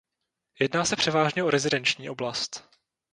Jedná se převážně o rezidenční oblast.